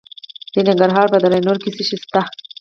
د ننګرهار په دره نور کې څه شی شته؟